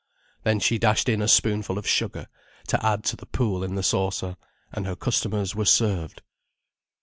Then she dashed in a spoonful of sugar, to add to the pool in the saucer, and her customers were served.